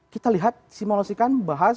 kita lihat simulasikan bahas